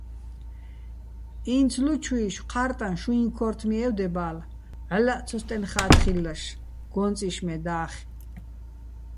ი́ნცლუჩუ́ჲშვ ჴა́რტაჼ შუიჼ ქო́რთმი ე́ვდება́ლ, ვჵალლაჸ ცოსტენხა́ თხილლაშ, გო́ჼწიშ მე და́ხე̆.